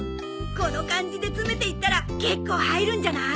この感じで詰めていったら結構入るんじゃない？